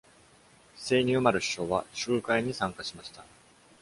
セイニ・ウマル首相は集会に参加しました。